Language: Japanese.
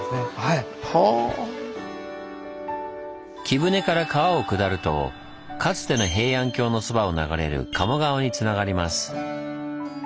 貴船から川を下るとかつての平安京のそばを流れる鴨川につながります。